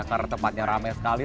karena tempatnya ramai sekali